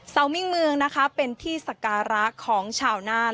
มิ่งเมืองนะคะเป็นที่สการะของชาวนาน